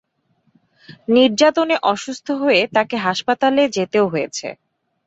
নির্যাতনে অসুস্থ হয়ে তাকে হাসপাতালে যেতেও হয়েছে।